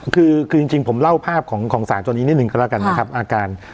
คือจริงผมเล่าภาพของสารตัวนี้นิดหนึ่งก็แล้วกันนะครับอาการ